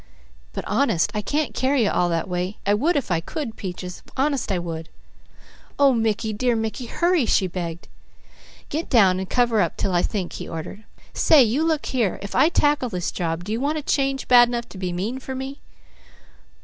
"But honest, I can't carry you all that way. I would if I could, Peaches, honest I would." "Oh Mickey, dear Mickey, hurry!" she begged. "Get down and cover up 'til I think," he ordered. "Say you look here! If I tackle this job do you want a change bad enough to be mean for me?"